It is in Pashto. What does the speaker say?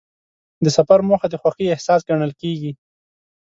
د سفر موخه د خوښۍ احساس ګڼل کېږي.